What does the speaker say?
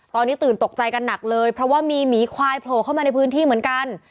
ตอนนี้ตื่นตกใจกันหนักเลยเพราะว่ามีหมีควายโผล่เข้ามาในพื้นที่เหมือนกัน